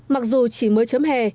mặc dù chỉ mới chấm hè